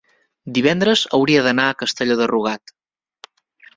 Divendres hauria d'anar a Castelló de Rugat.